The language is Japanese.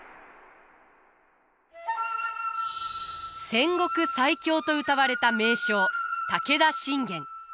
戦国最強とうたわれた名将武田信玄。